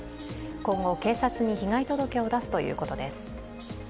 今後、警察に被害届を出すということです。